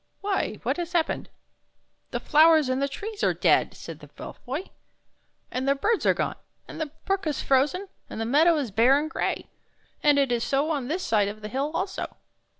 "" Why, what has happened? "" The flowers and trees are dead," said the Elf Boy, " and the birds are gone, and the brook is frozen, and the meadow is bare and gray. And it is so on this side of the hill also."